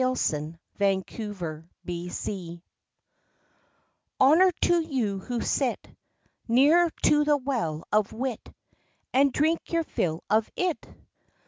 AN HYMN TO THE MUSES Honour to you who sit Near to the well of wit, And drink your fill of it!